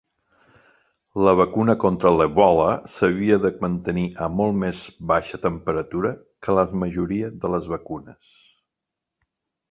La vacuna contra l'Ebola s'havia de mantenir a molt més baixa temperatura que la majoria de les vacunes.